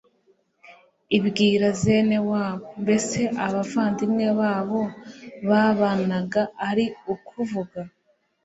ibwira zene wabo, mbese abavandimwe babo babanaga ari ukuvuga